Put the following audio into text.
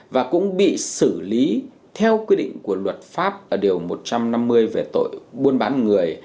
và cũng bị xử lý theo quy định của luật pháp ở điều một trăm năm mươi về tội buôn bán người